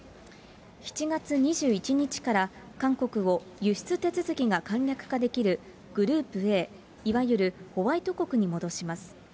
７月２１日から、韓国を輸出手続きが簡略化できるグループＡ、いわゆるホワイト国に戻します。